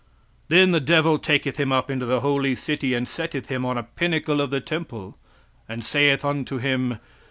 "Then the devil taketh him up into the holy city and setteth him on a pinnacle of the temple; "And saith unto him.